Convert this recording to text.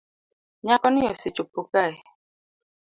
Nyakoni osechopo kae